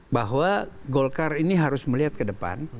bahwa golkar ini harus melihat ke depan